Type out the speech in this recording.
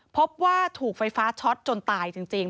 พบว่าถูกไฟฟ้าช็อตจนตายจริง